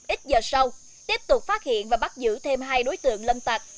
ít giờ sau tiếp tục phát hiện và bắt giữ thêm hai đối tượng lâm tạc